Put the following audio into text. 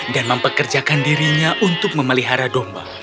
dan mempekerjakan dirinya untuk memelihara domba